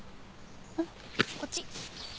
うん。こっち。